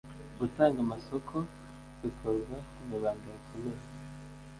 gutanga amasoko bikorwa mwibanga rikomeye